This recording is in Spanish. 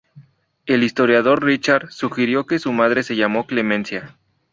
El historiador Richard sugirió que su madre se llamó Clemencia.